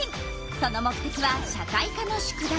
その目てきは社会科の宿題。